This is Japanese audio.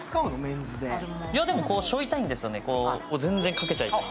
しょいたいんですよね、全然かけちゃいたい。